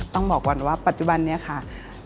ต้องบอกก่อนว่าปัจจุบันนี้ค่ะ